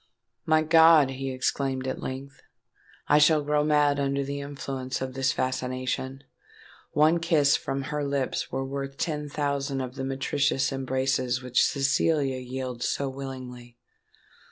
"My God!" he exclaimed, at length, "I shall grow mad under the influence of this fascination! One kiss from her lips were worth ten thousand of the meretricious embraces which Cecilia yields so willingly.